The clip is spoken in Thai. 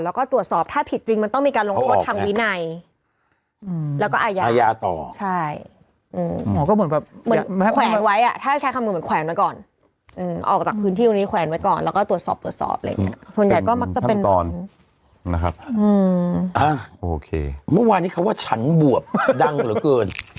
นะครับมาท์บทเนี่ยเมื่อวานนี้เขาว่าฉันบวบดังเหรอเกิน